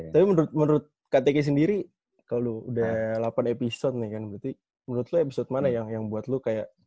tapi menurut ktk sendiri kalau lu udah delapan episode nih kan menurut lu episode mana yang buat lu kayak